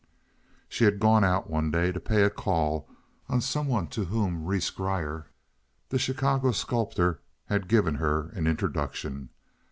She had gone out one day to pay a call on some one to whom Rhees Grier, the Chicago sculptor, had given her an introduction.